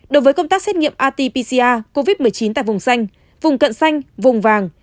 đối với công tác xét nghiệm atpca covid một mươi chín tại vùng xanh vùng cận xanh vùng vàng